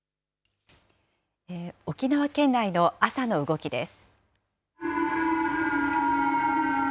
沖縄県内の朝の動きです。